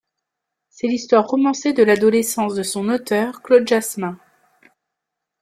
C'est l'histoire romancée de l'adolescence de son auteur Claude Jasmin.